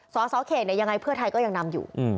สสเขตยังไงเพื่อไทยก็ยังนำอยู่